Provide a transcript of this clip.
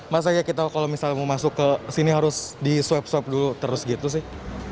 masanya kalau kita mau masuk ke sini harus di swab swab dulu terus gitu sih